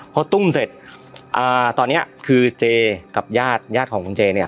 พอตุ้มเสร็จตอนนี้คือเจกับญาติญาติของคุณเจเนี่ย